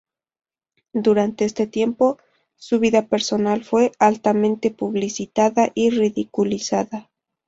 Durante este tiempo, su vida personal fue altamente publicitada y ridiculizada.